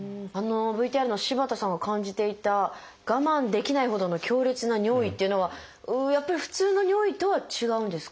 ＶＴＲの柴田さんが感じていた我慢できないほどの強烈な尿意っていうのはやっぱり普通の尿意とは違うんですか？